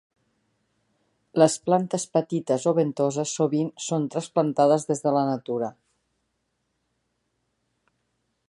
Les plantes petites o ventoses sovint són trasplantades des de la natura.